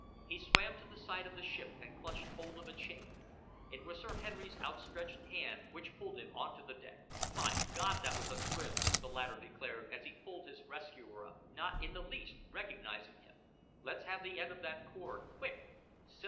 He swam to the side of the ship and clutched hold of a chain. It was Sir Henry's out stretched hand which pulled him on to the deck. "My God, that was a swim!" the latter declared, as he pulled his rescuer up, not in the least recognising him. "Let's have the end of that cord, quick! So!"